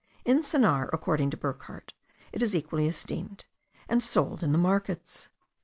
In Sennaar, according to Burckhardt, it is equally esteemed, and sold in the markets.